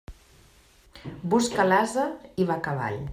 Busca l'ase, i va a cavall.